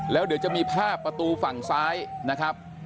แล้วเดี๋ยวจะมีภาพประตูฝั่งซ้ายนะครับ